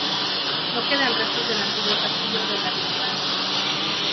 No quedan restos del antiguo castillo de la Bisbal.